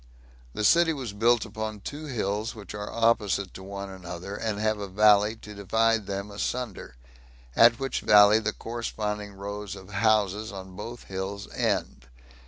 The city was built upon two hills, which are opposite to one another, and have a valley to divide them asunder; at which valley the corresponding rows of houses on both hills end.